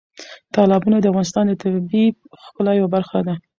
تالابونه د افغانستان د طبیعي ښکلا یوه برخه ده.